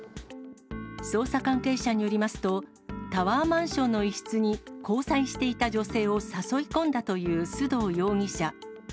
捜査関係者によりますと、タワーマンションに一室に、交際していた女性を誘い込んだという須藤容疑者。